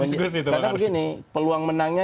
diskusi tuhan karena begini peluang menangnya